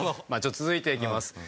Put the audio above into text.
続いていきます。